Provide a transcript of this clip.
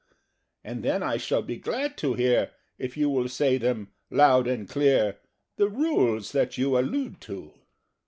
And then I shall be glad to hear If you will say them loud and clear The Rules that you allude to."